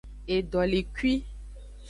Edolekui.